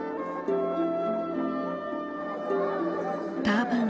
ターバン